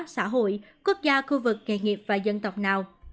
xã hội quốc gia khu vực nghề nghiệp và dân tộc nào